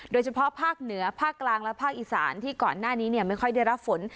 โดยเฉพาะภาคเหนือภาคกลางและภาคอีสานที่ก่อนหน้านี้ไม่ค่อยได้รับฝน